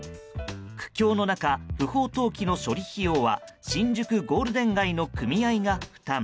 苦境の中、不法投棄の処理費用は新宿ゴールデン街の組合が負担。